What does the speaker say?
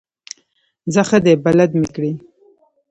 ځه ښه دی بلد مې کړې.